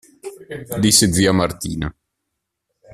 Disse zia Martina.